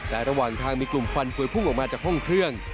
แต่ระหว่างทางมีกลุ่มควันฟวยพุ่งออกมาจากห้องเครื่อง